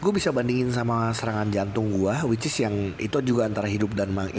gue bisa bandingin sama serangan jantung gua which is yang itu juga antara hidup dan manggih